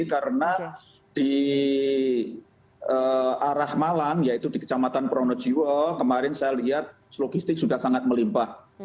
karena di arah malang yaitu di kecamatan pronojiwo kemarin saya lihat logistik sudah sangat melimpah